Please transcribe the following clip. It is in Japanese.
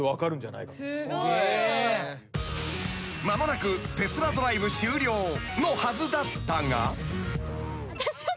［間もなくテスラドライブ終了のはずだったが］